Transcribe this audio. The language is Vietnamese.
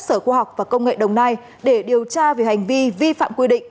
sở khoa học và công nghệ đồng nai để điều tra về hành vi vi phạm quy định